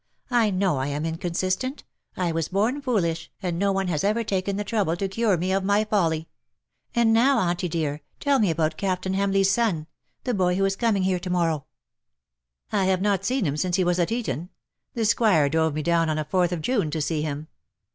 ^' I know I am incon sistent — I was born foolish, and no one has ever taken the trouble to cure me of my folly. And now. Auntie dear, tell me about Captain Hamleigh's son — the boy who is coming here to morrow." THE DAYS THAT ARE NO MORE. 9 " I have not seen him since he was at Eton. The Sqnire drove me down on a Fourth of June to see him.